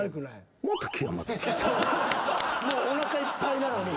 もうおなかいっぱいなのに。